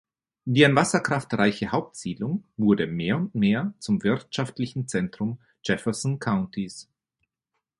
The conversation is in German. Die an Wasserkraft reiche Hauptsiedlung wurde mehr und mehr zum wirtschaftlichen Zentrum Jefferson Countys.